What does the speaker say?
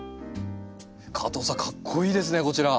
加藤さんかっこいいですねこちら。